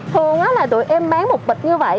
thường là tụi em bán một bịch như vậy